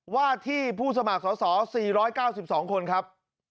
ว่าที่ผู้สมัครสอสอ๔๙๒คนครับ